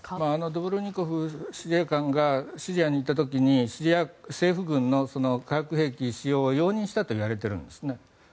ドボルニコフ司令官がシリアに行った時にシリア政府軍の化学兵器使用を容認したといわれているんですね。